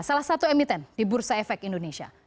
salah satu emiten di bursa efek indonesia